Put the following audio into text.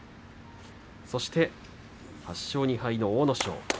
そして８勝２敗の阿武咲。